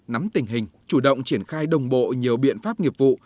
nắm tình hình chủ động triển khai đồng bộ nhiều biện pháp nghiệp vụ